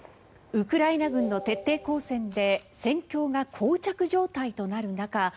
ウクライナ軍の徹底抗戦で戦況がこう着状態となる中